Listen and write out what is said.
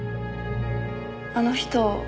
あの人